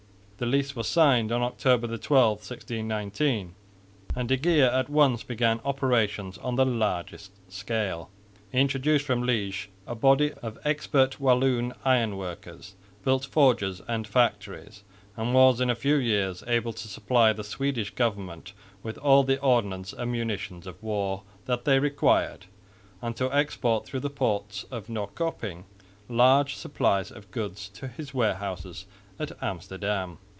The lease was signed on October 12, 1619, and de Geer at once began operations on the largest scale. He introduced from Liège a body of expert Walloon iron workers, built forges and factories, and was in a few years able to supply the Swedish government with all the ordnance and munitions of war that they required, and to export through the port of Norrköping large supplies of goods to his warehouses at Amsterdam.